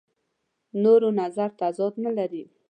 نورو نظر تضاد نه لري.